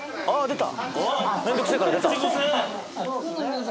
出た。